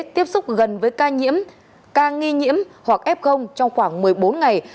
tiếp xúc gần với ca nghi nhiễm hoặc f trong khoảng một mươi bốn ngày